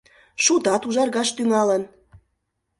Шудат ужаргаш тӱҥалын.